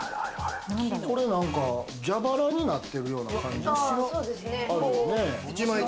これなんか蛇腹になってるような感じがする。